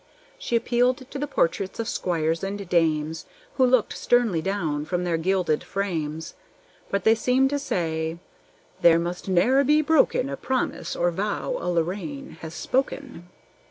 She appealed to the portraits of squires and dames, Who looked sternly down from their gilded frames; But they seemed to say, "There must ne'er be broken A promise or vow a Lorraine has spoken."